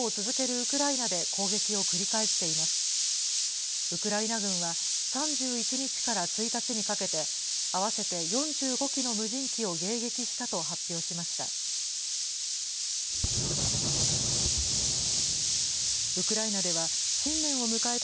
ウクライナ軍は、３１日から１日にかけて、合わせて４５機の無人機を迎撃したと発表しました。